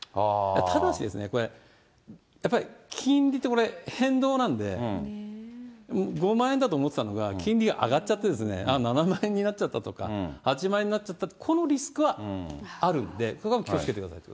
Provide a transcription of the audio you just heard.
ただし、これ、やっぱり金利って、これ、変動なんで、５万円だと思ってたのが、金利が上がっちゃって７万円になっちゃったとか、８万円になっちゃった、このリスクはあるんで、ここは気をつけてください。